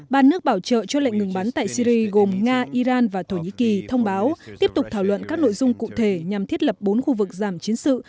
ba nước bảo trợ cho lệnh ngừng bắn tại syri gồm nga iran và thổ nhĩ kỳ thông báo tiếp tục thảo luận các nội dung cụ thể nhằm thiết lập bốn khu vực giảm chiến sự